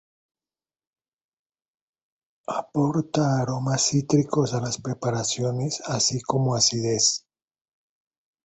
Aporta aromas cítricos a las preparaciones, así como acidez.